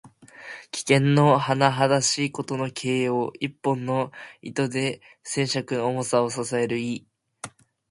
危険のはなはだしいことの形容。一本の糸で千鈞の重さを支える意。